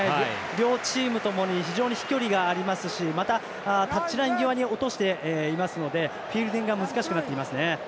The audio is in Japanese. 両チームともに非常に飛距離がありますしまた、タッチライン際に落としていますのでフィールディングが難しくなっていますね。